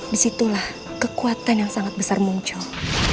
disitulah kekuatan yang sangat besar muncul